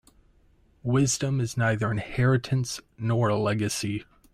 Wisdom is neither inheritance nor a legacy.